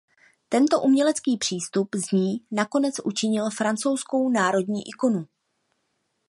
Tento umělecký přístup z ní nakonec učinil francouzskou národní ikonu.